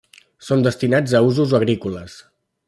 Són destinats a usos agrícoles.